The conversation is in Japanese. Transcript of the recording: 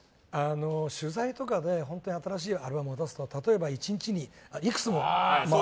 取材とかで新しいアルバムを出して例えば、１日にいくつも。